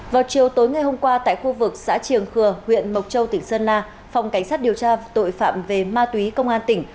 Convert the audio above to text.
vào chiều tối ngày hôm qua tại khu vực xã triềng khừa huyện mộc châu tỉnh sơn la phòng cảnh sát điều tra tội phạm về ma túy công an tỉnh